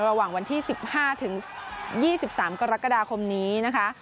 ระหว่างวันที่๑๕ถึง๒๓กรกฎาคมนี้นะคะ